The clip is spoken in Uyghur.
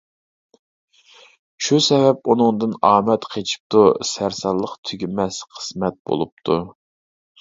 شۇ سەۋەب ئۇنىڭدىن ئامەت قېچىپتۇ، سەرسانلىق تۈگىمەس قىسمەت بولۇپتۇ.